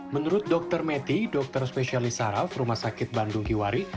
menurut dokter metty dokter spesialis saraf rumah sakit bandung giwari